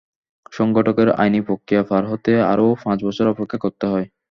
সংগঠকদের আইনি প্রক্রিয়া পার হতে আরও পাঁচ বছর অপেক্ষা করতে হয়।